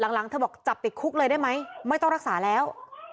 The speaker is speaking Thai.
หลังเธอบอกจับติดคุกเลยได้ไหมไม่ต้องรักษาแล้ว